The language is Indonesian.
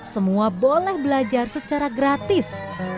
semua boleh belajar secara gratis